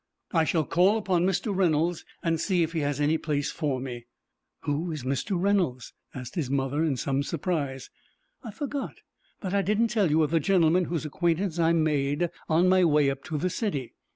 "I shall call upon Mr. Reynolds, and see if he has any place for me." "Who is Mr. Reynolds?" asked his mother, in some surprise. "I forgot that I didn't tell you of the gentleman whose acquaintance I made on my way up to the city.